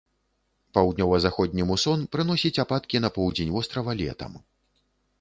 Паўднёва-заходні мусон прыносіць ападкі на поўдзень вострава летам.